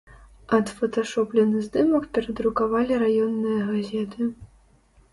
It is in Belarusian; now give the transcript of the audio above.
Адфоташоплены здымак перадрукавалі раённыя газеты.